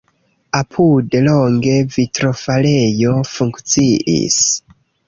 Apude longe vitrofarejo funkciis.